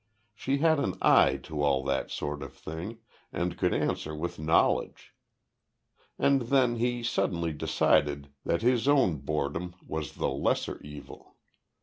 She had an eye to all that sort of thing, and could answer with knowledge. And then he suddenly decided that his own boredom was the lesser evil.